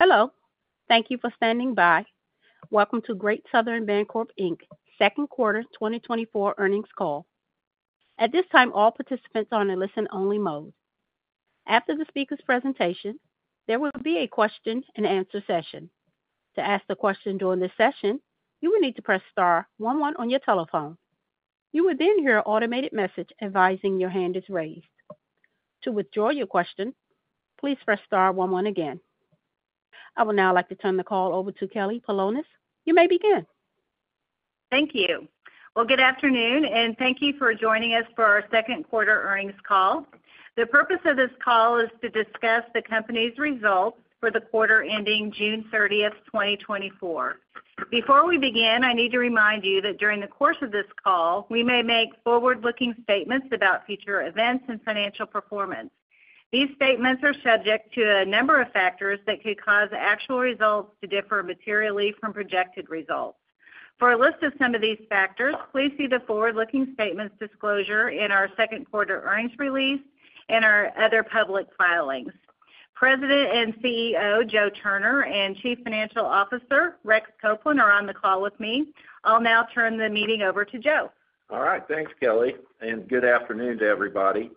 Hello, thank you for standing by. Welcome to Great Southern Bancorp, Inc. second quarter 2024 earnings call. At this time, all participants are in a listen-only mode. After the speaker's presentation, there will be a question and answer session. To ask the question during this session, you will need to press star one one on your telephone. You will then hear an automated message advising your hand is raised. To withdraw your question, please press star one one again. I would now like to turn the call over to Kelly Polonus. You may begin. Thank you. Well, good afternoon, and thank you for joining us for our second quarter earnings call. The purpose of this call is to discuss the company's results for the quarter ending June 30, 2024. Before we begin, I need to remind you that during the course of this call, we may make forward-looking statements about future events and financial performance. These statements are subject to a number of factors that could cause actual results to differ materially from projected results. For a list of some of these factors, please see the forward-looking statements disclosure in our second quarter earnings release and our other public filings. President and CEO, Joe Turner, and Chief Financial Officer, Rex Copeland, are on the call with me. I'll now turn the meeting over to Joe. All right, thanks, Kelly, and good afternoon to everybody.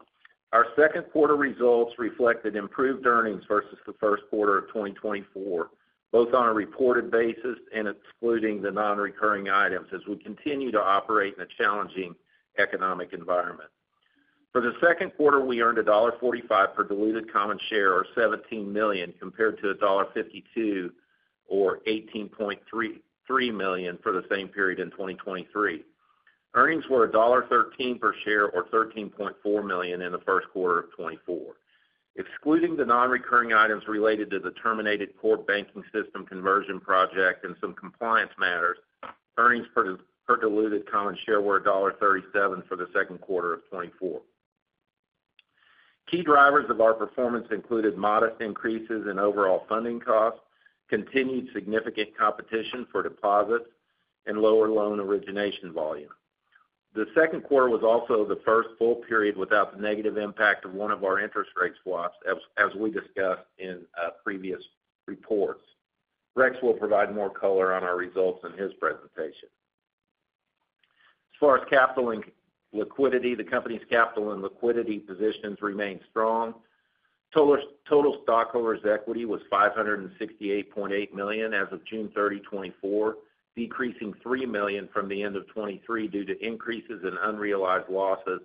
Our second quarter results reflected improved earnings versus the first quarter of 2024, both on a reported basis and excluding the non-recurring items as we continue to operate in a challenging economic environment. For the second quarter, we earned $1.45 per diluted common share, or $17 million, compared to a $1.52 or $18.33 million for the same period in 2023. Earnings were a $1.13 per share or $13.4 million in the first quarter of 2024. Excluding the non-recurring items related to the terminated core banking system conversion project and some compliance matters, earnings per diluted common share were a $1.37 for the second quarter of 2024. Key drivers of our performance included modest increases in overall funding costs, continued significant competition for deposits, and lower loan origination volume. The second quarter was also the first full period without the negative impact of one of our interest rate swaps, as we discussed in previous reports. Rex will provide more color on our results in his presentation. As far as capital and liquidity, the company's capital and liquidity positions remain strong. Total stockholders' equity was $568.8 million as of June 30, 2024, decreasing $3 million from the end of 2023 due to increases in unrealized losses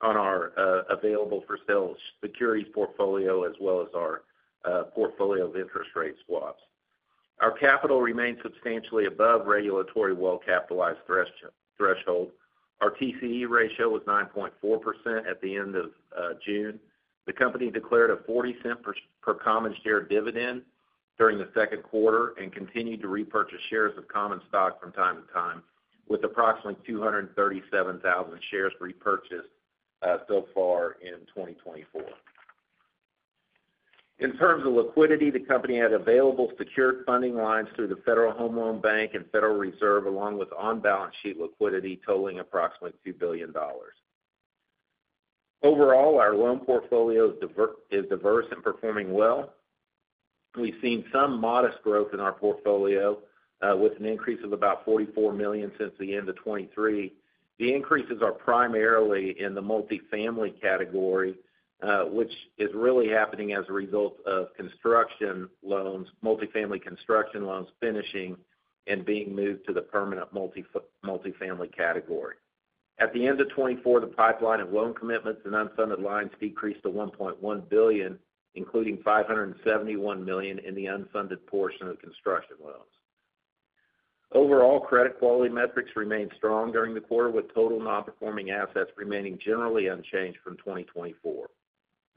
on our available-for-sale securities portfolio, as well as our portfolio of interest rate swaps. Our capital remains substantially above regulatory well-capitalized threshold. Our TCE ratio was 9.4% at the end of June. The company declared a $0.40 per common share dividend during the second quarter and continued to repurchase shares of common stock from time to time, with approximately 237,000 shares repurchased so far in 2024. In terms of liquidity, the company had available secured funding lines through the Federal Home Loan Bank and Federal Reserve, along with on-balance sheet liquidity totaling approximately $2 billion. Overall, our loan portfolio is diverse and performing well. We've seen some modest growth in our portfolio, with an increase of about $44 million since the end of 2023. The increases are primarily in the multifamily category, which is really happening as a result of construction loans, multifamily construction loans finishing and being moved to the permanent multifamily category. At the end of 2024, the pipeline of loan commitments and unfunded lines decreased to $1.1 billion, including $571 million in the unfunded portion of construction loans. Overall, credit quality metrics remained strong during the quarter, with total non-performing assets remaining generally unchanged from 2024.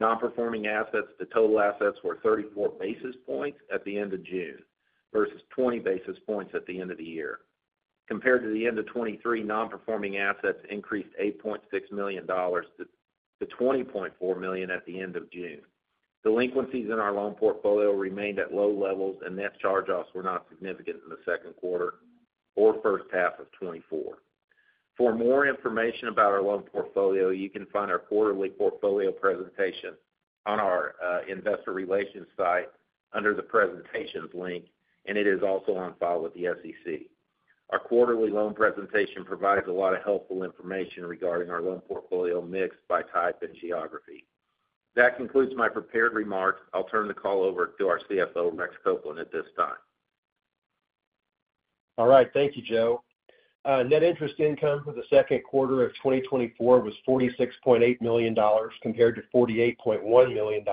Non-performing assets to total assets were 34 basis points at the end of June, versus 20 basis points at the end of the year. Compared to the end of 2023, non-performing assets increased $8.6 million to $20.4 million at the end of June. Delinquencies in our loan portfolio remained at low levels, and net charge-offs were not significant in the second quarter or first half of 2024. For more information about our loan portfolio, you can find our quarterly portfolio presentation on our investor relations site under the presentations link, and it is also on file with the SEC. Our quarterly loan presentation provides a lot of helpful information regarding our loan portfolio mix by type and geography. That concludes my prepared remarks. I'll turn the call over to our CFO, Rex Copeland, at this time. All right. Thank you, Joe. Net interest income for the second quarter of 2024 was $46.8 million, compared to $48.1 million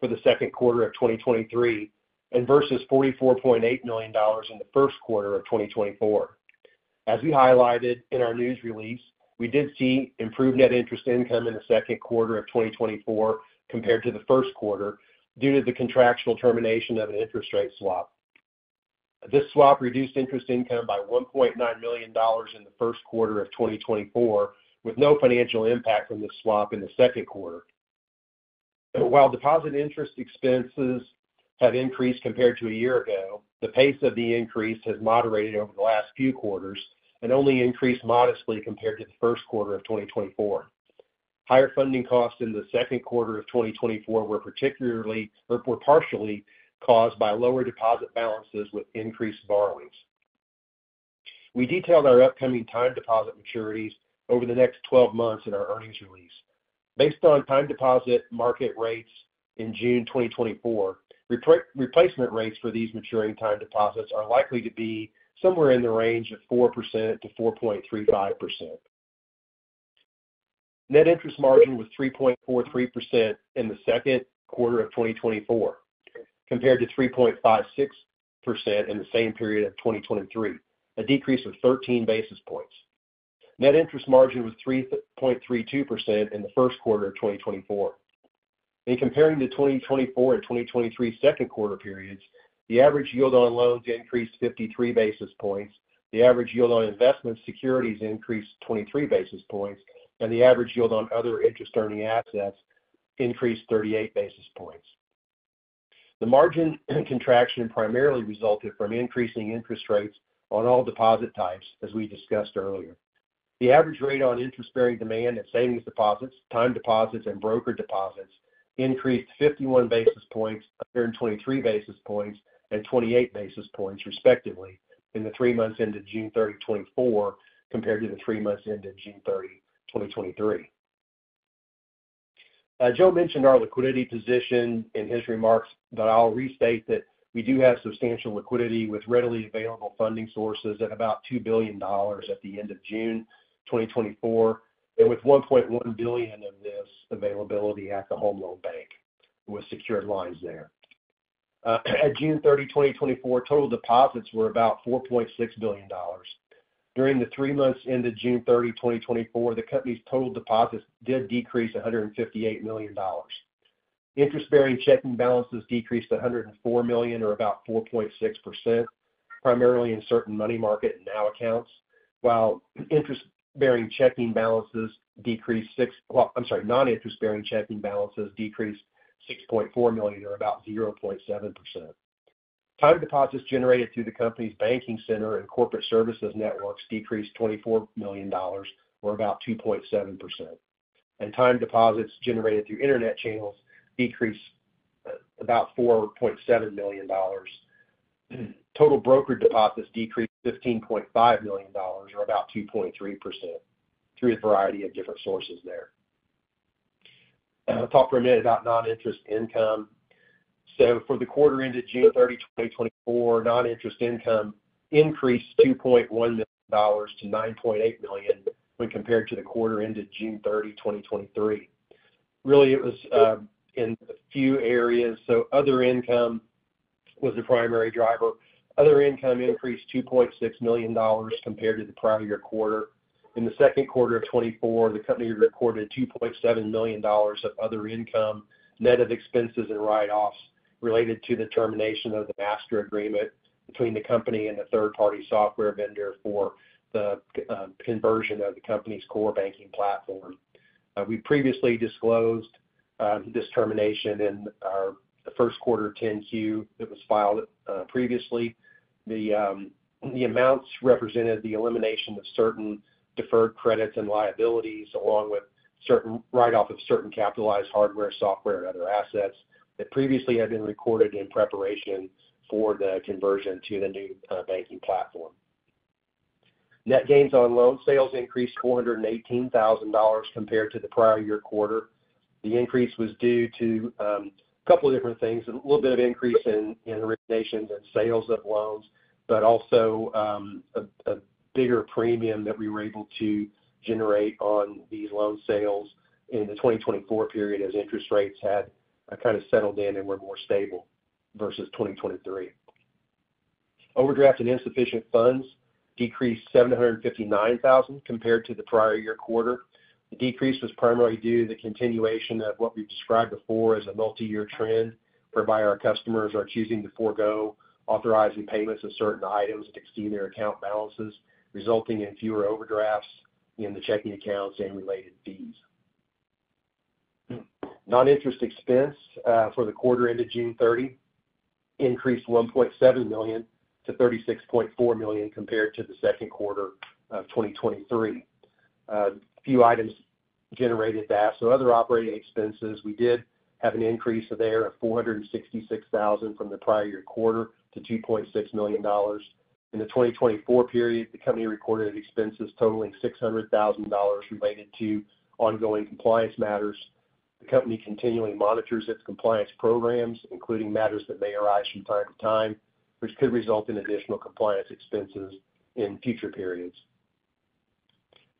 for the second quarter of 2023, and versus $44.8 million in the first quarter of 2024. As we highlighted in our news release, we did see improved net interest income in the second quarter of 2024 compared to the first quarter due to the contractual termination of an interest rate swap. This swap reduced interest income by $1.9 million in the first quarter of 2024, with no financial impact from this swap in the second quarter. While deposit interest expenses have increased compared to a year ago, the pace of the increase has moderated over the last few quarters and only increased modestly compared to the first quarter of 2024.... Higher funding costs in the second quarter of 2024 were particularly, or were partially caused by lower deposit balances with increased borrowings. We detailed our upcoming time deposit maturities over the next 12 months in our earnings release. Based on time deposit market rates in June 2024, replacement rates for these maturing time deposits are likely to be somewhere in the range of 4%-4.35%. Net interest margin was 3.43% in the second quarter of 2024, compared to 3.56% in the same period of 2023, a decrease of 13 basis points. Net interest margin was 3.32% in the first quarter of 2024. In comparing the 2024 and 2023 second quarter periods, the average yield on loans increased 53 basis points, the average yield on investment securities increased 23 basis points, and the average yield on other interest-earning assets increased 38 basis points. The margin contraction primarily resulted from increasing interest rates on all deposit types, as we discussed earlier. The average rate on interest-bearing demand and savings deposits, time deposits, and brokered deposits increased 51 basis points, 123 basis points, and 28 basis points, respectively, in the three months ended June 30, 2024, compared to the three months ended June 30, 2023. Joe mentioned our liquidity position in his remarks, but I'll restate that we do have substantial liquidity with readily available funding sources at about $2 billion at the end of June 2024, and with $1.1 billion of this availability at the Federal Home Loan Bank, with secured lines there. At June 30, 2024, total deposits were about $4.6 billion. During the three months ended June 30, 2024, the company's total deposits did decrease $158 million. Interest-bearing checking balances decreased to $104 million, or about 4.6%, primarily in certain money market and NOW accounts, while non-interest-bearing checking balances decreased $60.4 million, or about 0.7%. Time deposits generated through the company's banking center and corporate services networks decreased $24 million, or about 2.7%, and time deposits generated through internet channels decreased about $4.7 million. Total brokered deposits decreased $15.5 million, or about 2.3%, through a variety of different sources there. I'll talk for a minute about non-interest income. So for the quarter ended June 30, 2024, non-interest income increased $2.1 million to $9.8 million when compared to the quarter ended June 30, 2023. Really, it was in a few areas, so other income was the primary driver. Other income increased $2.6 million compared to the prior year quarter. In the second quarter of 2024, the company recorded $2.7 million of other income, net of expenses and write-offs related to the termination of the master agreement between the company and the third-party software vendor for the conversion of the company's core banking platform. We previously disclosed this termination in our first quarter 10-Q that was filed previously. The amounts represented the elimination of certain deferred credits and liabilities, along with certain write-off of certain capitalized hardware, software, and other assets that previously had been recorded in preparation for the conversion to the new banking platform. Net gains on loan sales increased $418,000 compared to the prior year quarter. The increase was due to a couple of different things, a little bit of increase in terminations and sales of loans, but also a bigger premium that we were able to generate on these loan sales in the 2024 period, as interest rates had kind of settled in and were more stable versus 2023. Overdraft and insufficient funds decreased $759,000 compared to the prior year quarter. The decrease was primarily due to the continuation of what we've described before as a multi-year trend, whereby our customers are choosing to forgo authorizing payments of certain items that exceed their account balances, resulting in fewer overdrafts in the checking accounts and related fees. Non-interest expense for the quarter ended June 30 increased $1.7 million to $36.4 million compared to the second quarter of 2023. A few items generated that. So other operating expenses, we did have an increase there of $466,000 from the prior year quarter to $2.6 million. In the 2024 period, the company recorded expenses totaling $600,000 related to ongoing compliance matters. The company continually monitors its compliance programs, including matters that may arise from time to time, which could result in additional compliance expenses in future periods.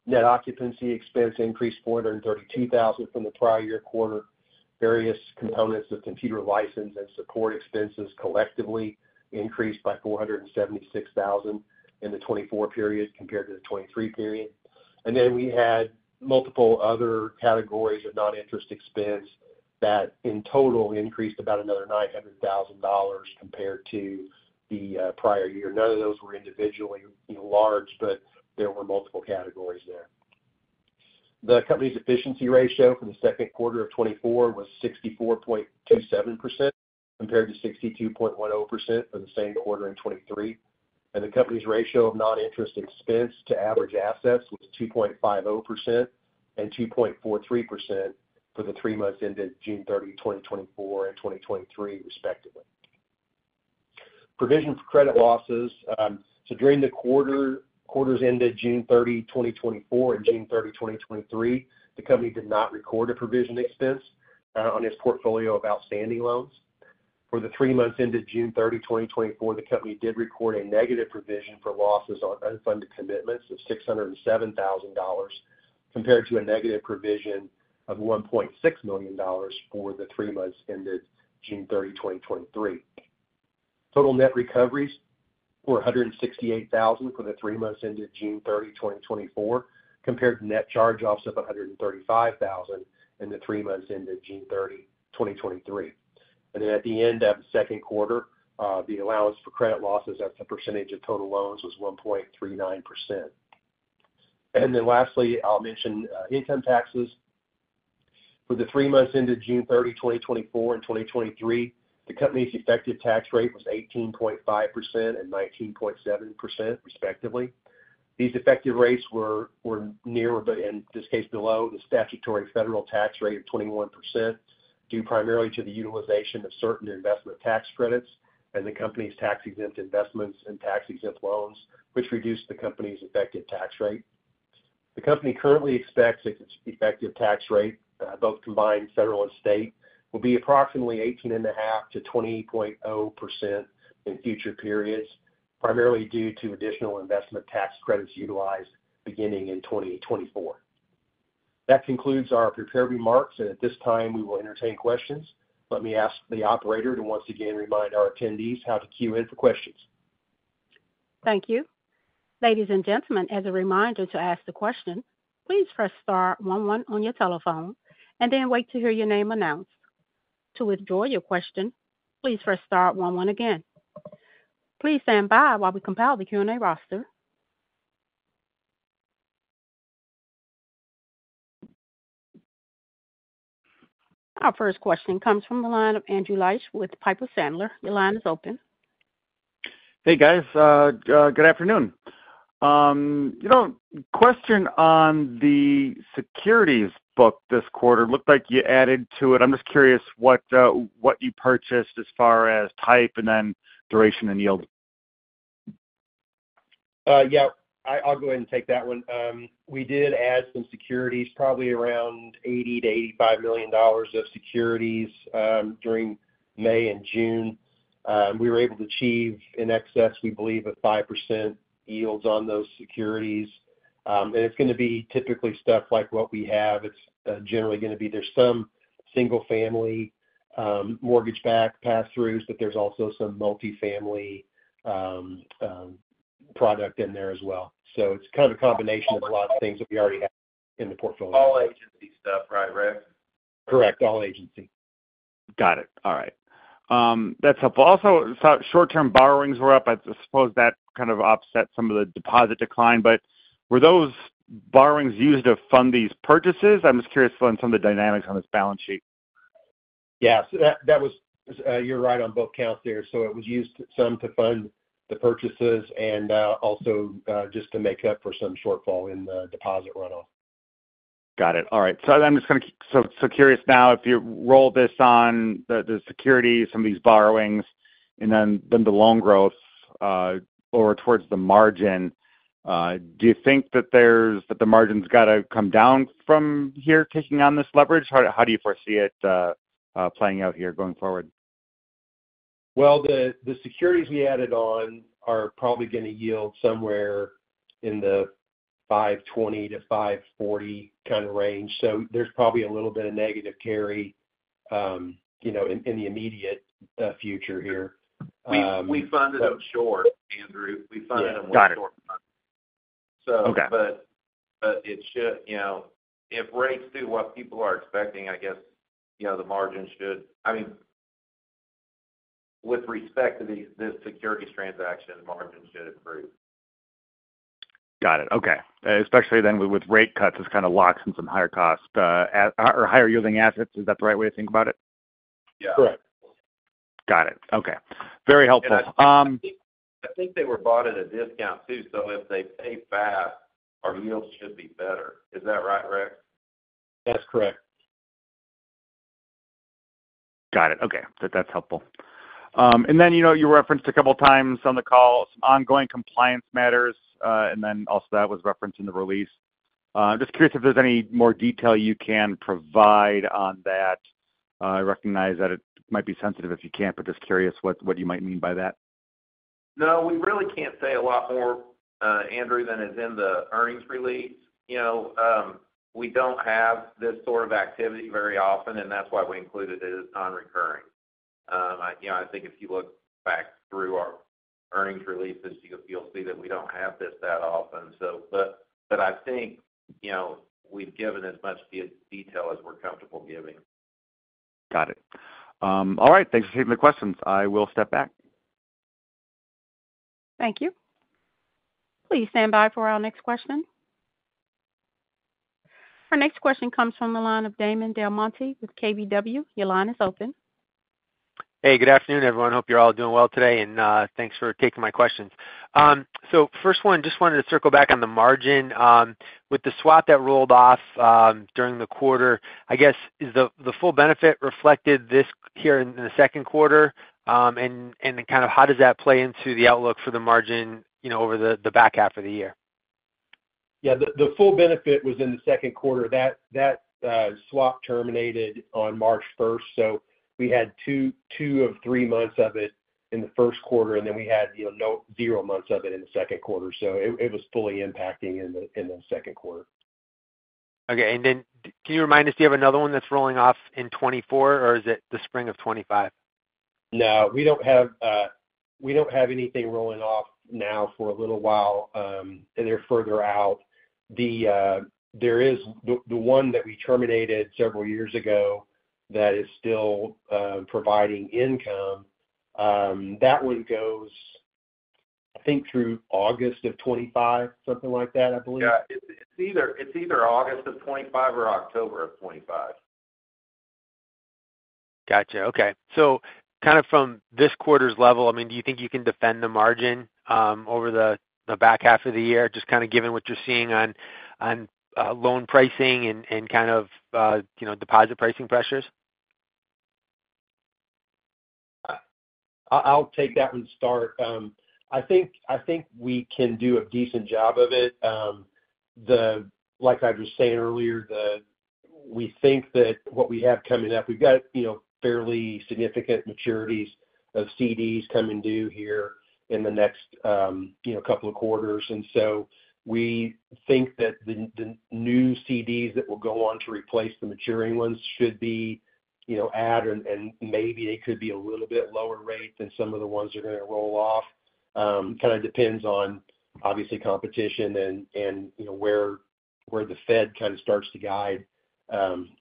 Net occupancy expense increased $432,000 from the prior year quarter. Various components of computer license and support expenses collectively increased by $476,000 in the 2024 period compared to the 2023 period. And then we had multiple other categories of non-interest expense that in total increased about another $900,000 compared to the prior year. None of those were individually large, but there were multiple categories there. The company's efficiency ratio for the second quarter of 2024 was 64.27%, compared to 62.10% for the same quarter in 2023, and the company's ratio of non-interest expense to average assets was 2.50% and 2.43% for the three months ended June 30, 2024 and 2023 respectively. Provision for credit losses. So during the quarters ended June 30, 2024, and June 30, 2023, the company did not record a provision expense on its portfolio of outstanding loans. For the three months ended June 30, 2024, the company did record a negative provision for losses on unfunded commitments of $607,000, compared to a negative provision of $1.6 million for the three months ended June 30, 2023. Total net recoveries were $168,000 for the three months ended June 30, 2024, compared to net charge-offs of $135,000 in the three months ended June 30, 2023. At the end of the second quarter, the allowance for credit losses as a percentage of total loans was 1.39%. Lastly, I'll mention income taxes. For the three months ended June 30, 2024 and 2023, the company's effective tax rate was 18.5% and 19.7% respectively. These effective rates were near, but in this case, below the statutory federal tax rate of 21%, due primarily to the utilization of certain investment tax credits and the company's tax-exempt investments and tax-exempt loans, which reduced the company's effective tax rate. The company currently expects its effective tax rate, both combined federal and state, will be approximately 18.5%-20.0% in future periods, primarily due to additional investment tax credits utilized beginning in 2024. That concludes our prepared remarks, and at this time, we will entertain questions. Let me ask the operator to once again remind our attendees how to queue in for questions. Thank you. Ladies and gentlemen, as a reminder to ask the question, please press star one one on your telephone and then wait to hear your name announced. To withdraw your question, please press star one one again. Please stand by while we compile the Q&A roster. Our first question comes from the line of Andrew Liesch with Piper Sandler. Your line is open. Hey, guys, good afternoon. You know, question on the securities book this quarter. Looked like you added to it. I'm just curious what you purchased as far as type and then duration and yield. Yeah, I, I'll go ahead and take that one. We did add some securities, probably around $80-$85 million of securities during May and June. We were able to achieve in excess, we believe, of 5% yields on those securities. And it's gonna be typically stuff like what we have. It's generally gonna be there's some single-family mortgage-backed pass-throughs, but there's also some multifamily product in there as well. So it's kind of a combination of a lot of things that we already have in the portfolio. All agency stuff, right, Rex? Correct. All agency. Got it. All right. That's helpful. Also, short-term borrowings were up. I suppose that kind of offset some of the deposit decline, but were those borrowings used to fund these purchases? I'm just curious on some of the dynamics on this balance sheet. Yes, that was. You're right on both counts there. So it was used some to fund the purchases and, also, just to make up for some shortfall in the deposit runoff. Got it. All right. So I'm just gonna keep—so, so curious now, if you roll this on, the securities, some of these borrowings, and then the loan growth over towards the margin, do you think that there's that the margin's got to come down from here, taking on this leverage? How do you foresee it playing out here going forward? Well, the securities we added on are probably gonna yield somewhere in the 520-540 kind of range. So there's probably a little bit of negative carry, you know, in the immediate future here, We funded them short, Andrew. We funded them short. Got it. So- Okay. But it should, you know, if rates do what people are expecting, I guess, you know, the margin should... I mean, with respect to the securities transaction, margins should improve. Got it. Okay. Especially then with rate cuts, it's kind of locks in some higher costs, or higher yielding assets. Is that the right way to think about it? Yeah. Correct. Got it. Okay. Very helpful. I think they were bought at a discount, too, so if they pay back, our yields should be better. Is that right, Rex? That's correct. Got it. Okay. That, that's helpful. And then, you know, you referenced a couple times on the call, some ongoing compliance matters, and then also that was referenced in the release. Just curious if there's any more detail you can provide on that. I recognize that it might be sensitive if you can't, but just curious what, what you might mean by that. No, we really can't say a lot more, Andrew, than is in the earnings release. You know, we don't have this sort of activity very often, and that's why we included it as non-recurring. I, you know, I think if you look back through our earnings releases, you'll see that we don't have this that often. But I think, you know, we've given as much detail as we're comfortable giving. Got it. All right, thanks for taking the questions. I will step back. Thank you. Please stand by for our next question. Our next question comes from the line of Damon DelMonte with KBW. Your line is open. Hey, good afternoon, everyone. Hope you're all doing well today, and thanks for taking my questions. So first one, just wanted to circle back on the margin. With the swap that rolled off during the quarter, I guess, is the full benefit reflected this year in the second quarter? And then kind of how does that play into the outlook for the margin, you know, over the back half of the year? Yeah, the full benefit was in the second quarter. That swap terminated on March 1st, so we had two of three months of it in the first quarter, and then we had, you know, zero months of it in the second quarter. So it was fully impacting in the second quarter. Okay. And then can you remind us, do you have another one that's rolling off in 2024, or is it the spring of 2025? No, we don't have, we don't have anything rolling off now for a little while, they're further out. There is the one that we terminated several years ago that is still providing income. That one goes, I think, through August of 2025, something like that, I believe. Yeah, it's either August of 2025 or October of 2025. Gotcha. Okay. So kind of from this quarter's level, I mean, do you think you can defend the margin, over the back half of the year, just kind of given what you're seeing on loan pricing and kind of, you know, deposit pricing pressures? I'll take that one to start. I think we can do a decent job of it. Like I was saying earlier, we think that what we have coming up, we've got, you know, fairly significant maturities of CDs coming due here in the next, you know, couple of quarters. And so we think that the new CDs that will go on to replace the maturing ones should be, you know, at and maybe they could be a little bit lower rate than some of the ones that are going to roll off. Kind of depends on, obviously, competition and, you know, where the Fed kind of starts to guide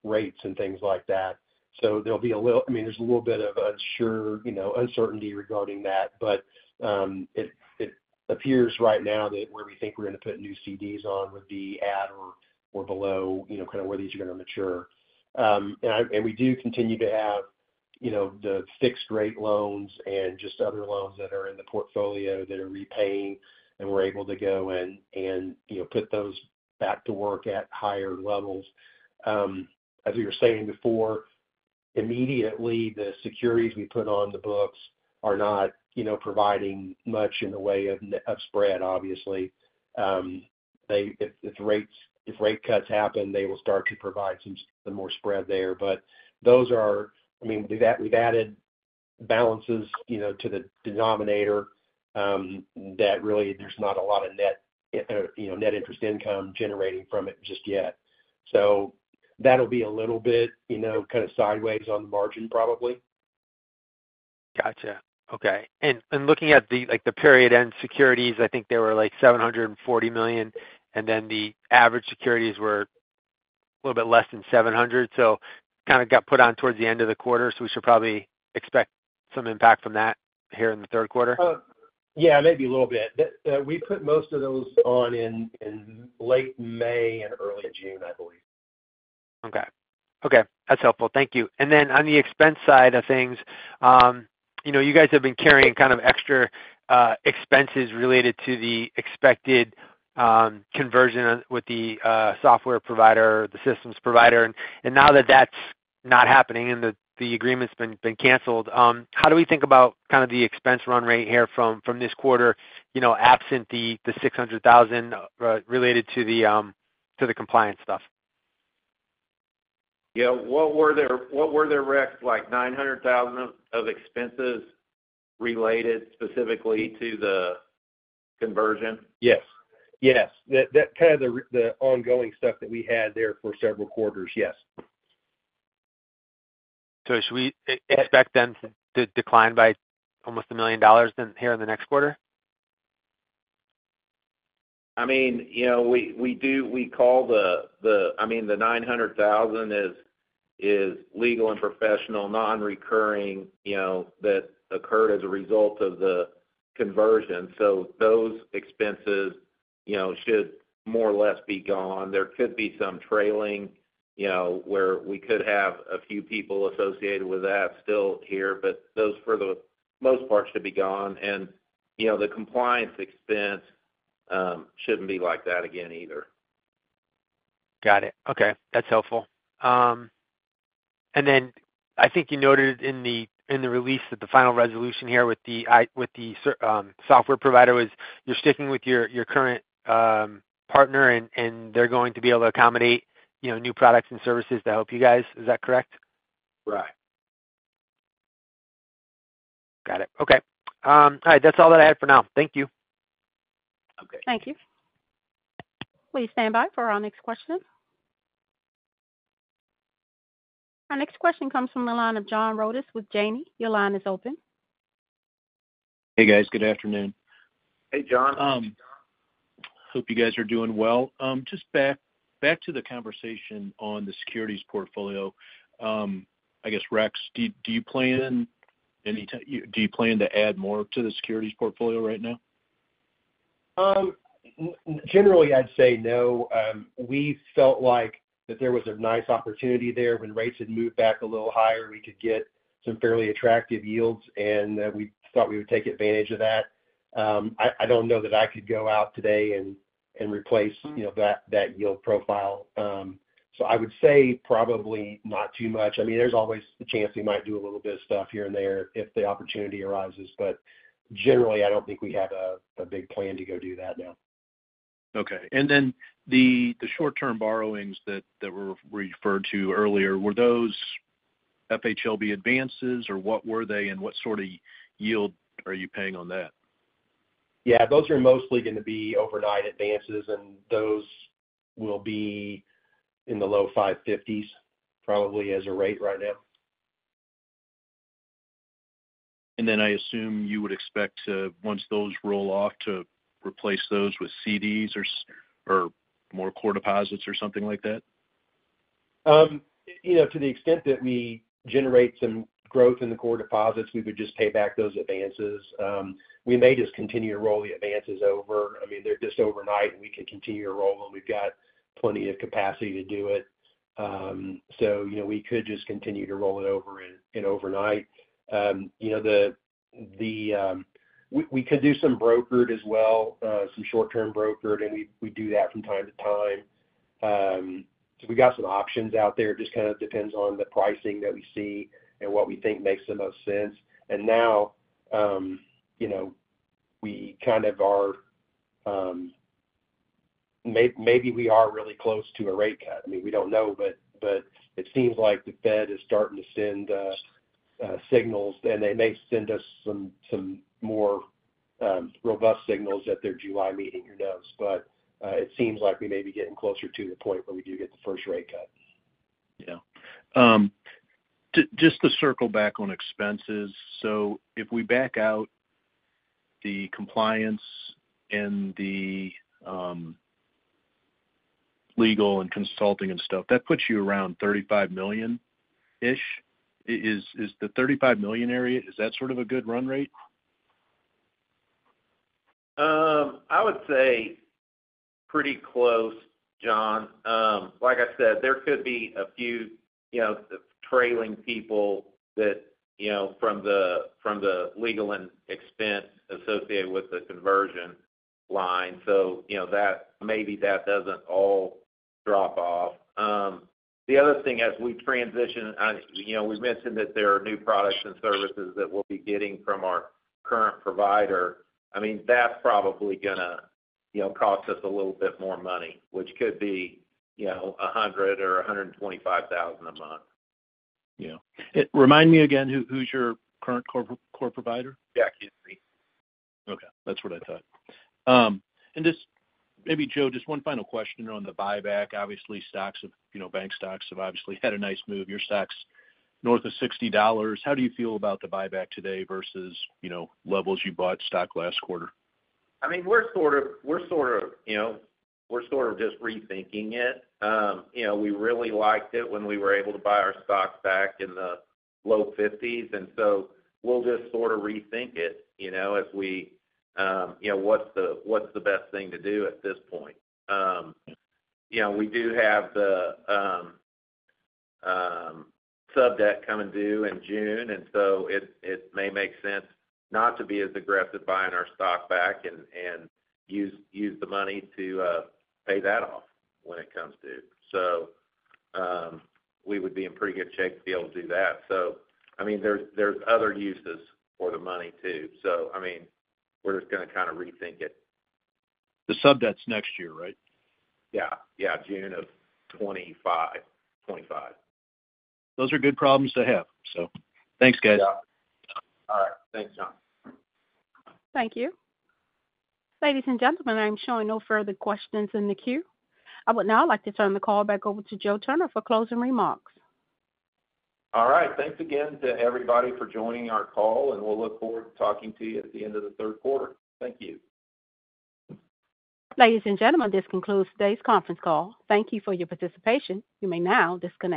rates and things like that. So there'll be a little—I mean, there's a little bit of unsure, you know, uncertainty regarding that, but, it appears right now that where we think we're going to put new CDs on would be at or below, you know, kind of where these are going to mature. And we do continue to have, you know, the fixed-rate loans and just other loans that are in the portfolio that are repaying, and we're able to go in and, you know, put those back to work at higher levels. As we were saying before, immediately, the securities we put on the books are not, you know, providing much in the way of spread, obviously. They, if rates, if rate cuts happen, they will start to provide some more spread there. But those are. I mean, we've added balances, you know, to the denominator that really there's not a lot of net, you know, net interest income generating from it just yet. So that'll be a little bit, you know, kind of sideways on the margin, probably. Gotcha. Okay. And looking at the, like, the period-end securities, I think there were like $740 million, and then the average securities were a little bit less than $700 million, so kind of got put on towards the end of the quarter. So we should probably expect some impact from that here in the third quarter? Yeah, maybe a little bit. We put most of those on in late May and early June, I believe. Okay. Okay, that's helpful. Thank you. And then on the expense side of things, you know, you guys have been carrying kind of extra expenses related to the expected conversion with the software provider, the systems provider. And now that that's not happening and the agreement's been canceled, how do we think about kind of the expense run rate here from this quarter, you know, absent the $600,000 related to the compliance stuff? Yeah. What were their, Rex, like $900,000 of expenses related specifically to the conversion? Yes. Yes. That, that kind of the ongoing stuff that we had there for several quarters, yes. So should we expect them to decline by almost $1 million then here in the next quarter? I mean, you know, we call the $900,000 is legal and professional, non-recurring, you know, that occurred as a result of the conversion. So those expenses, you know, should more or less be gone. There could be some trailing, you know, where we could have a few people associated with that still here, but those for the most part should be gone. And, you know, the compliance expense shouldn't be like that again either. Got it. Okay. That's helpful. And then I think you noted in the, in the release that the final resolution here with the software provider was, you're sticking with your, your current partner, and, and they're going to be able to accommodate, you know, new products and services to help you guys. Is that correct? Right. Got it. Okay. All right, that's all that I had for now. Thank you. Okay. Thank you. Please stand by for our next question. Our next question comes from the line of John Rodis with Janney. Your line is open. Hey, guys. Good afternoon. Hey, John. Hope you guys are doing well. Just back to the conversation on the securities portfolio. I guess, Rex, do you plan to add more to the securities portfolio right now?... Generally, I'd say no. We felt like that there was a nice opportunity there. When rates had moved back a little higher, we could get some fairly attractive yields, and we thought we would take advantage of that. I don't know that I could go out today and replace, you know, that yield profile. So I would say probably not too much. I mean, there's always the chance we might do a little bit of stuff here and there if the opportunity arises, but generally, I don't think we have a big plan to go do that now. Okay. And then the short-term borrowings that were referred to earlier, were those FHLB advances, or what were they, and what sort of yield are you paying on that? Yeah, those are mostly going to be overnight advances, and those will be in the low 5.50s, probably as a rate right now. And then I assume you would expect to, once those roll off, to replace those with CDs or more core deposits or something like that? You know, to the extent that we generate some growth in the core deposits, we could just pay back those advances. We may just continue to roll the advances over. I mean, they're just overnight, and we can continue to roll them. We've got plenty of capacity to do it. So, you know, we could just continue to roll it over in overnight. We could do some brokered as well, some short-term brokered, and we do that from time to time. So we've got some options out there. It just kind of depends on the pricing that we see and what we think makes the most sense. And now, you know, we kind of are, maybe we are really close to a rate cut. I mean, we don't know, but, but it seems like the Fed is starting to send signals, and they may send us some, some more robust signals at their July meeting, who knows? But it seems like we may be getting closer to the point where we do get the first rate cut. Yeah. Just to circle back on expenses, so if we back out the compliance and the legal and consulting and stuff, that puts you around $35 million-ish. Is the $35 million area, is that sort of a good run rate? I would say pretty close, John. Like I said, there could be a few, you know, trailing people that, you know, from the, from the legal and expense associated with the conversion line. So, you know, that, maybe that doesn't all drop off. The other thing, as we transition, you know, we've mentioned that there are new products and services that we'll be getting from our current provider. I mean, that's probably gonna, you know, cost us a little bit more money, which could be, you know, $100,000 or $125,000 a month. Yeah. Remind me again, who, who's your current core provider? Yeah, Jack Henry. Okay, that's what I thought. And just maybe, Joe, just one final question on the buyback. Obviously, stocks have, you know, bank stocks have obviously had a nice move. Your stock's north of $60. How do you feel about the buyback today versus, you know, levels you bought stock last quarter? I mean, we're sort of, you know, we're sort of just rethinking it. You know, we really liked it when we were able to buy our stocks back in the low $50s, and so we'll just sort of rethink it, you know, if we, you know, what's the best thing to do at this point? You know, we do have the sub-debt coming due in June, and so it may make sense not to be as aggressive buying our stock back and use the money to pay that off when it comes due. So, we would be in pretty good shape to be able to do that. So, I mean, there's other uses for the money, too. So, I mean, we're just gonna kind of rethink it. The sub-debt's next year, right? Yeah. Yeah, June of 2025, 2025. Those are good problems to have. So thanks, guys. Yeah. All right. Thanks, John. Thank you. Ladies and gentlemen, I'm showing no further questions in the queue. I would now like to turn the call back over to Joe Turner for closing remarks. All right. Thanks again to everybody for joining our call, and we'll look forward to talking to you at the end of the third quarter. Thank you. Ladies and gentlemen, this concludes today's conference call. Thank you for your participation. You may now disconnect.